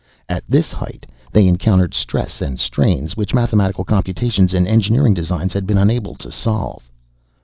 At this height, they encountered stress and strains which mathematical computations and engineering designs had been unable to solve.